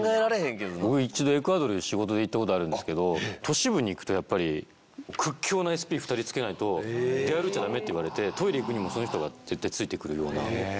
僕一度エクアドル仕事で行ったことあるんですけど都市部に行くとやっぱり屈強なＳＰ２人つけないと出歩いちゃ駄目って言われてトイレ行くにもその人がついてくるような。